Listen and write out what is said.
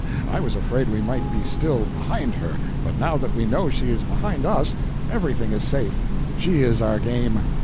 I was afraid we might be still behind her, but now that we know she is behind us, everything is safe. She is our game.